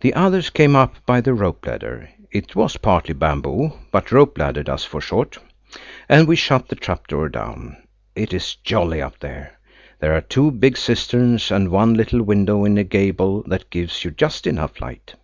The others came up by the rope ladder (it was partly bamboo, but rope ladder does for short) and we shut the trap door down. It is jolly up there. There are two big cisterns, and one little window in a gable that gives you just enough light.